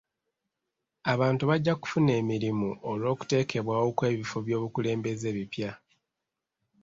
Abantu bajja kufuna emirimu olw'okuteekebwawo kw'ebifo by'obukulembeze ebipya.